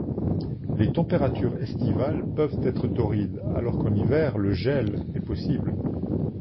Les températures estivales peuvent être torrides alors qu'en hiver le gel est possible.